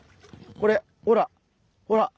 これほらほら。